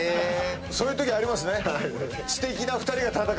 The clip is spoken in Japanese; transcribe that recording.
そういうときありますね。